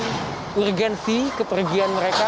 harus menunjukkan urgensi kepergian mereka